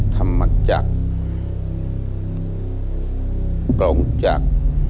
ธรรมจักรกงจักร